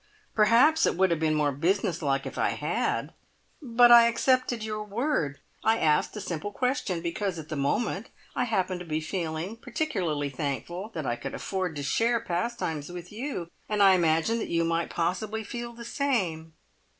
Perhaps it would have been more business like if I had, but I accepted your word. I asked a simple question because at the moment I happened to be feeling particularly thankful that I could afford to share Pastimes with you, and I imagined that you might possibly feel the same."